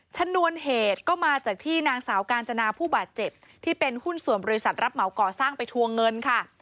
ชนวนเหตุก็มาจากที่นางสาวกาญจนาผู้บาดเจ็บที่เป็นหุ้นส่วนบริษัทรับเหมาก่อสร้างไปทวงเงินค่ะ